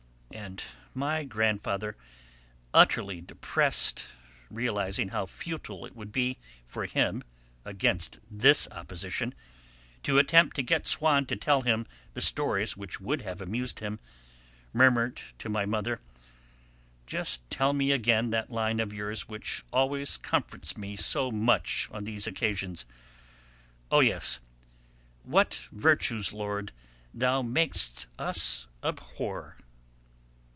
And my grandfather, utterly depressed, realising how futile it would be for him, against this opposition, to attempt to get Swann to tell him the stories which would have amused him, murmured to my mother: "Just tell me again that line of yours which always comforts me so much on these occasions. Oh, yes: What virtues, Lord, Thou makest us abhor!